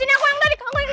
ini kumarah toh